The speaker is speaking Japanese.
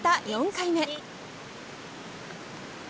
４回目。